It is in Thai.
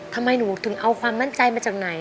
ทำไมหนูถึงเอาความมั่นใจมาจากไหน